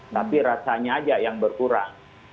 tapi rasanya aja yang berkurang